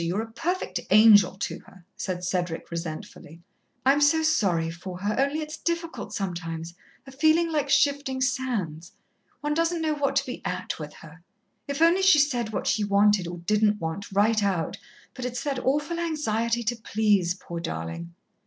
You're a perfect angel to her," said Cedric resentfully. "I'm so sorry for her only it's difficult sometimes a feeling like shifting sands. One doesn't know what to be at with her. If only she said what she wanted or didn't want, right out, but it's that awful anxiety to please poor darling."